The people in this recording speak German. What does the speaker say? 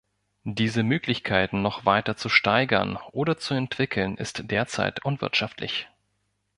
Diese Möglichkeiten noch weiter zu steigern oder zu entwickeln, ist derzeit unwirtschaftlich.